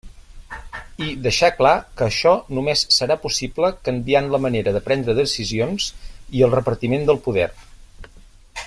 I deixar clar que això només serà possible canviant la manera de prendre decisions i el repartiment del poder.